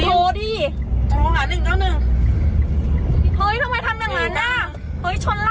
เฮ้ยฟิล์มช่วยถ่ายดิเดี๋ยวแก๊ะกูเต็ม